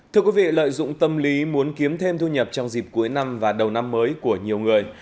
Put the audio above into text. thưa quý vị lợi dụng tâm lý muốn kiếm thêm thu nhập trong dịp cuối năm và đầu năm mới của nhiều người